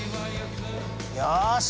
よし！